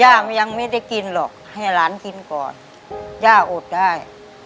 ยังไม่ได้กินหรอกให้หลานกินก่อนย่าอดได้